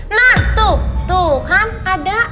nah tuh tuh kan ada